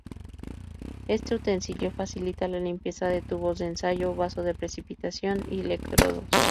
Este utensilio facilita la limpieza de tubos de ensayo, vaso de precipitados y electrodos.